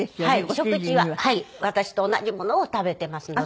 食事は私と同じものを食べてますので。